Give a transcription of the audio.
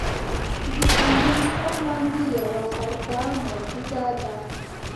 د کاندنسر لاندې یوه پرده موجوده ده.